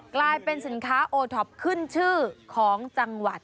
กลายเป็นสินค้าโอท็อปขึ้นชื่อของจังหวัด